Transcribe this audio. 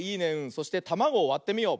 そしてたまごをわってみよう。